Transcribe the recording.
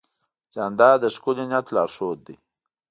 جانداد د ښکلي نیت لارښود دی.